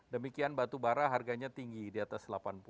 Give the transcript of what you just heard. demikian batu bara harganya tinggi di atas delapan puluh